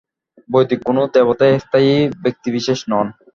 বৈদিক কোন দেবতাই স্থায়ী ব্যক্তিবিশেষ নন।